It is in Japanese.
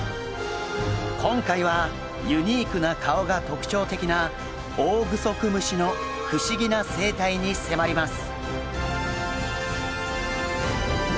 今回はユニークな顔が特徴的なオオグソクムシの不思議な生態に迫ります。